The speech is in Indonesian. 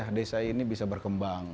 desa ini bisa berkembang